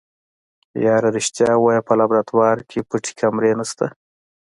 يره رښتيا ووايه په لابراتوار کې پټې کمرې نشته.